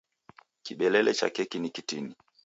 Kibelele cha keki ni kitini.